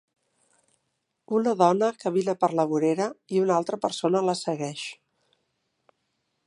Una dona camina per la vorera i una altra persona la segueix.